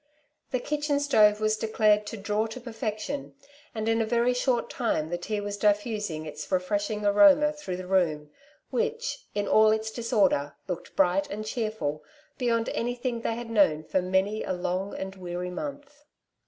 The kitchen stove was declared to draw to perfection, and in a very short time the tea was diffusing its refreshing aroma through the room, which, in all its disorder, looked bright and cheerful beyond auy thing they had known for many a long and weary month'.